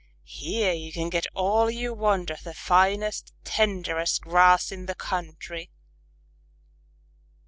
Here you can get all you want of the finest, tenderest grass in the country."